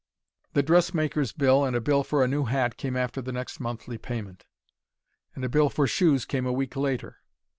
The dressmaker's bill and a bill for a new hat came after the next monthly payment; and a bill for shoes came a week later.